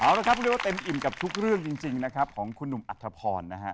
เอาละครับเรียกว่าเต็มอิ่มกับทุกเรื่องจริงนะครับของคุณหนุ่มอัธพรนะฮะ